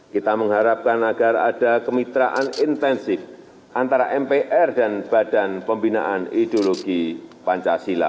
kita mengharapkan agar ada kemitraan intensif antara mpr dan badan pembinaan ideologi pancasila